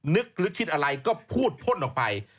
นึกหรือคิดอะไรก็พูดพ่นออกไป